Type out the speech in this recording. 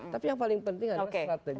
tapi yang paling penting adalah strategi